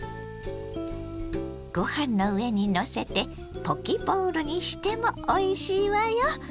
ご飯の上にのせてポキ・ボウルにしてもおいしいわよ。